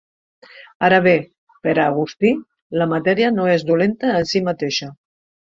Ara bé, per a Agustí, la matèria no és dolenta en si mateixa.